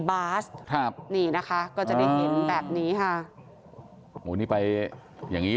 บาสครับนี่นะคะก็จะได้เห็นแบบนี้ค่ะโอ้นี่ไปอย่างงี้